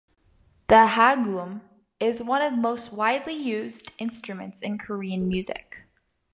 The "haegeum" is one of the most widely used instruments in Korean music.